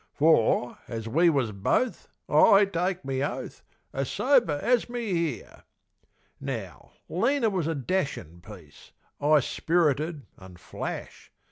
For, or we was both, I take me oath, As sober as me here. Now, Lena was a dashin' piece, 'Igh spirited an' flash.